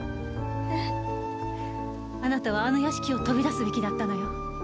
あなたはあの屋敷を飛び出すべきだったのよ。